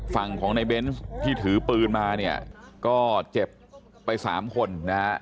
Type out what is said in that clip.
ฝั่งของในเบนส์ที่ถือปืนมาเนี่ยก็เจ็บไปสามคนนะฮะ